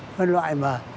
phân loại mà